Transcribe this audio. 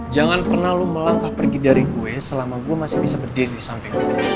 jangan terlalu melangkah pergi dari gue selama gue masih bisa berdiri di samping gue